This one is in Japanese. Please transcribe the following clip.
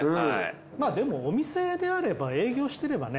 まぁでもお店であれば営業してればね